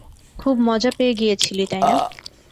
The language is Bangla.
খুব মজা পেয়ে গিয়েছিলি, তাই না?